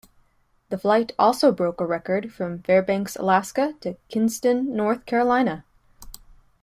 The flight also broke a record from Fairbanks, Alaska to Kinston, North Carolina.